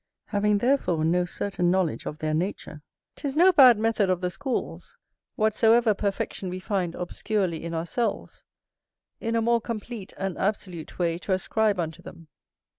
Having, therefore, no certain knowledge of their nature, 'tis no bad method of the schools, whatsoever perfection we find obscurely in ourselves, in a more complete and absolute way to ascribe unto them.